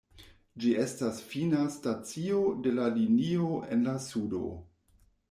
Ĝi estas fina stacio de la linio en la sudo.